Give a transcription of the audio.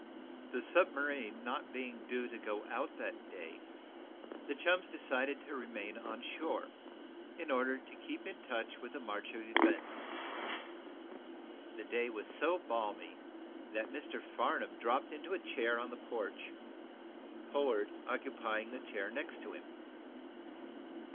The submarine not being due to go out that day, the chums decided to remain on shore, in order to keep in touch with the march of events. The day was so balmy that Mr. Farnum dropped into a chair on the porch, Pollard occupying the chair next to him.